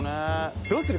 どうする？